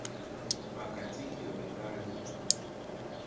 Bakatikkiro be baaliwo.